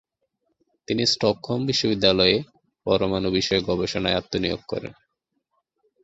তিনি স্টকহোম বিশ্ববিদ্যালয়ে পরমাণু বিষয়ে গবেষণায় আত্মনিয়োগ করেন।